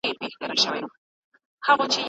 بايد د هرې نظريې بنسټ وڅېړل سي.